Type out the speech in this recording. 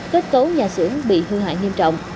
kết cấu nhà xưởng bị hư hại nghiêm trọng